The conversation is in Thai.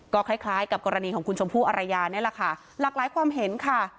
ก็คล้ายคล้ายกับกรณีของคุณชมพู่อารยานี่แหละค่ะหลากหลายความเห็นค่ะ